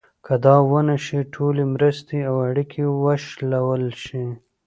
که دا ونه شي ټولې مرستې او اړیکې وشلول شي.